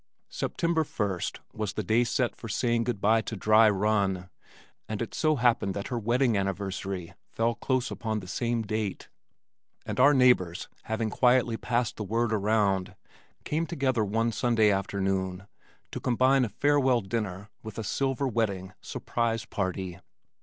September first was the day set for saying good bye to Dry Run, and it so happened that her wedding anniversary fell close upon the same date and our neighbors, having quietly passed the word around, came together one Sunday afternoon to combine a farewell dinner with a Silver Wedding "surprise party."